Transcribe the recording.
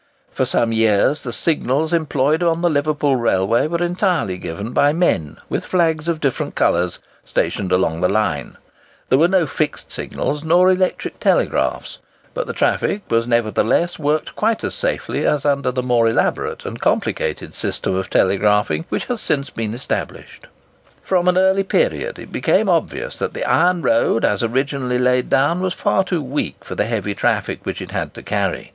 For some years the signals employed on the Liverpool railway were entirely given by men with flags of different colours stationed along the line; there were no fixed signals, nor electric telegraphs; but the traffic was nevertheless worked quite as safely as under the more elaborate and complicated system of telegraphing which has since been established. From an early period it became obvious that the iron road as originally laid down was far too weak for the heavy traffic which it had to carry.